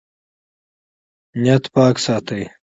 نیت پاک ساتئ